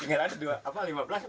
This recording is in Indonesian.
tinggal ada lima belas apa dua puluh